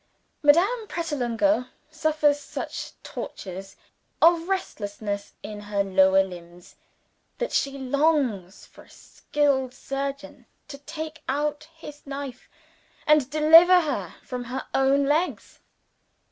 Madame Pratolungo suffers such tortures of restlessness in her lower limbs, that she longs for a skilled surgeon to take out his knife and deliver her from her own legs.